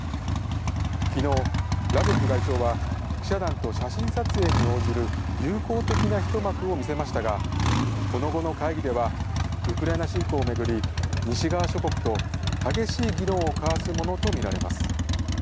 きのうラブロフ外相は、記者団と写真撮影に応じる友好的な一幕を見せましたが、この後の会議ではウクライナ侵攻を巡り西側諸国と激しい議論を交わすものと見られます。